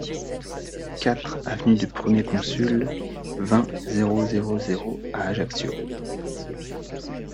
quatre avenue du Premier Consul, vingt, zéro zéro zéro à Ajaccio